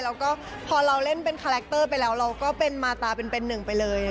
แล้วก็พอเราเล่นเป็นคาแรคเตอร์ไปแล้วเราก็เป็นมาตาเป็นหนึ่งไปเลย